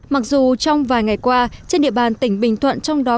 mặc dù trong vài ngày qua trên địa bàn tỉnh bình thuận trong đó